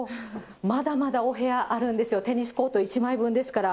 まだまだお部屋、あるんですよ、テニスコート１枚分ですから。